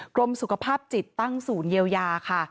กรมสุขภาพจิตตั้งศูนย์เยียวยาค่ะ